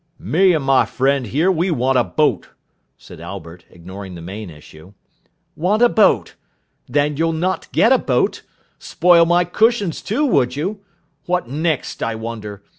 "Me and my friend here we want a boat," said Albert, ignoring the main issue. "Want a boat! Then you'll not get a boat. Spoil my cushions, too, would you? What next, I wonder!